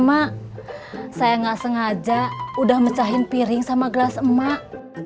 mak saya nggak sengaja udah mecahin piring sama gelas emak